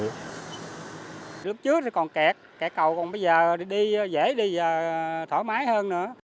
lúc trước còn kẹt kẹt cầu còn bây giờ dễ đi thoải mái hơn nữa